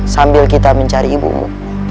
sambil kita mencari ibumu